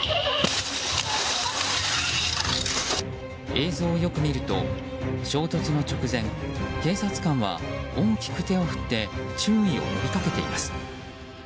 映像をよく見ると、衝突の直前警察官は、大きく手を振って注意を呼びかけています。